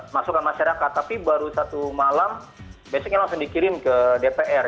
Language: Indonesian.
masukan masyarakat tapi baru satu malam besoknya langsung dikirim ke dpr